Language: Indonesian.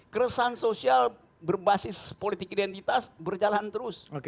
keresahan sosial berbasis politik identitas berjalan terus